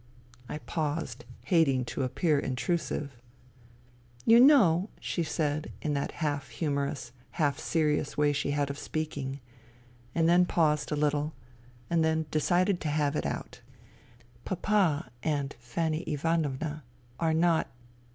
I paused, hating to appear intrusive. " You know," she said in that half humorous, half serious way she had of speaking, and then paused a little, and then decided to have it out. B 18 FUTILITY " Papa and Fanny Ivanovna are not